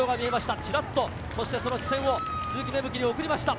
チラっと視線を鈴木芽吹に送りました。